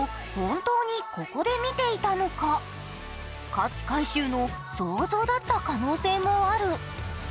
勝海舟の想像だった可能性もある。